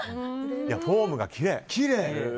フォームがきれい。